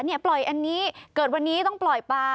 ปล่อยอันนี้เกิดวันนี้ต้องปล่อยปลา